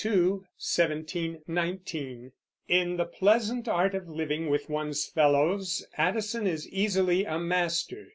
JOSEPH ADDISON (1672 1719) In the pleasant art of living with one's fellows, Addison is easily a master.